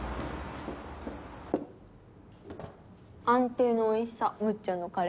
安定のおいしさむっちゃんのカレー。